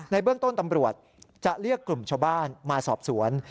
เบื้องต้นตำรวจจะเรียกกลุ่มชาวบ้านมาสอบสวน